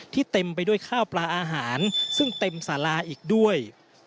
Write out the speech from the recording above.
เต็มไปด้วยข้าวปลาอาหารซึ่งเต็มสาราอีกด้วย